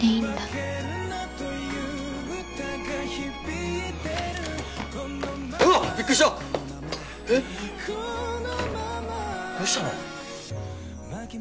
えっどうしたの？